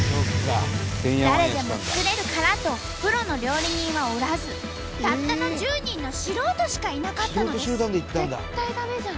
誰でも作れるからとプロの料理人はおらずたったの１０人の素人しかいなかったのです。